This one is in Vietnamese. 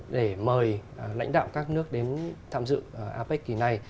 để mời lãnh đạo các nước đến tham dự apec kỳ này